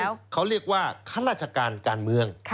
เขาเรียกว่าข้าราชการการเมือง